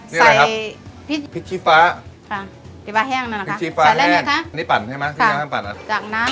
นี่อะไรครับพริกชีฟ้าพริกชีฟ้าแห้งนี่ปั่นใช่ไหม